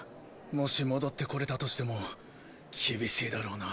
もし戻ってこれたとしても厳しいだろうな。